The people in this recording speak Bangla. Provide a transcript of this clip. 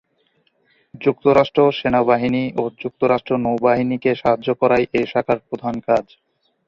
যুক্তরাষ্ট্র সেনাবাহিনী ও যুক্তরাষ্ট্র নৌবাহিনীকে সাহায্য করাই এ শাখার প্রধান কাজ।